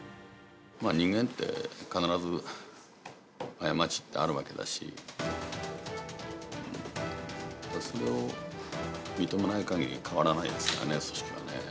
人間って必ず、過ちってあるわけだし、それを認めないかぎり、変わらないですからね、組織はね。